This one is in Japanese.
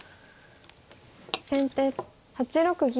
先手８六銀。